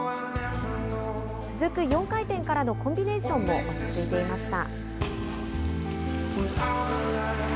続く４回転からのコンビネーションも落ち着いていました。